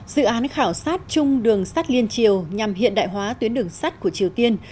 dự án khảo sát chung đường sắt liên triều nhằm hiện đại hóa tuyến đường sắt của triều tiên